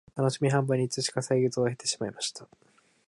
たのしみ半分にいつしか歳月を経てしまいました